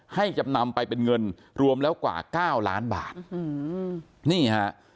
จำนำไปเป็นเงินรวมแล้วกว่าเก้าล้านบาทอืมนี่ฮะ